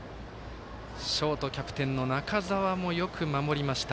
ショートキャプテンの中澤もよく守りました。